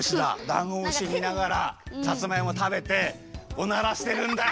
ダンゴムシみながらさつまいもたべておならしてるんだ！